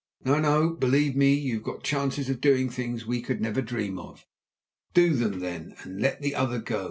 No, no! Believe me, you've got chances of doing things we could never dream of. Do them, then, and let the other go.